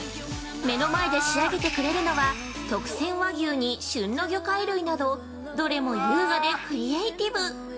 目の前で仕上げてくれるのは特選和牛に旬の魚介類など、どれも優雅でクリエイティブ。